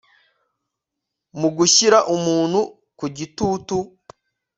mu gushyira umuntu kugitutu